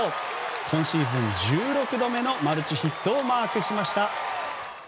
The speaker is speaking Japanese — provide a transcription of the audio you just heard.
今シーズン１６度目のマルチヒットをマークしました。